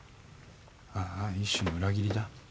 あーあ一種の裏切りだ。